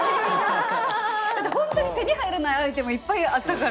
ホントに手に入らないアイテムいっぱいあったから。